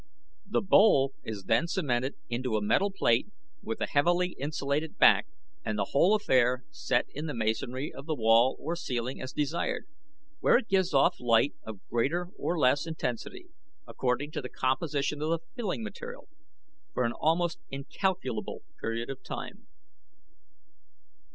The bowl is then cemented into a metal plate with a heavily insulated back and the whole affair set in the masonry of wall or ceiling as desired, where it gives off light of greater or less intensity, according to the composition of the filling material, for an almost incalculable period of time.